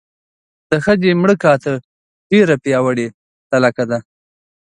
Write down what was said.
د ښځې مړه کاته ډېره پیاوړې تلکه ده.